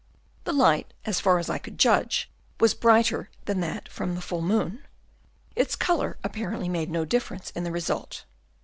The light, as far as I could judge, was brighter than that from the full moon. Its colour apparently made no difference in the result.